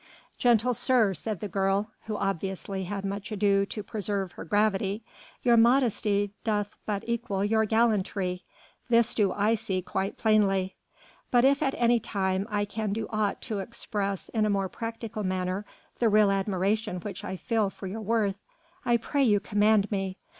"Gentle sir," said the girl, who obviously had much ado to preserve her gravity, "your modesty doth but equal your gallantry. This do I see quite plainly. But if at any time I can do aught to express in a more practical manner the real admiration which I feel for your worth I pray you command me.